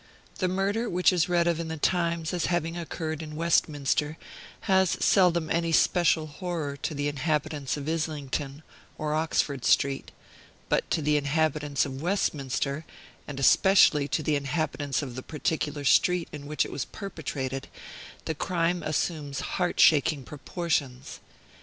The murder which is read of in the Times as having occurred in Westminster, has seldom any special horror to the inhabitants of Islington or Oxford Street; but to the inhabitants of Westminster, and especially to the inhabitants of the particular street in which it was perpetrated, the crime assumes heart shaking proportions.